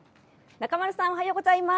中丸さん、おはようございます。